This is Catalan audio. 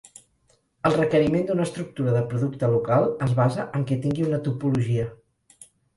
El requeriment d'una estructura de producte local es basa en què tingui una topologia.